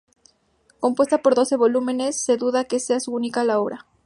Compuesta por doce volúmenes, se duda que sea su única la obra.